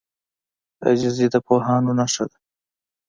عاجزي د پوهانو نښه ده.